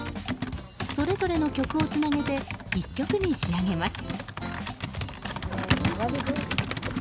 それぞれの曲をつなげて１曲に仕上げます。